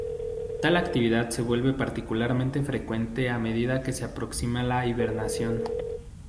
Tal actividad se vuelve particularmente frecuente a medida que se aproxima la hibernación.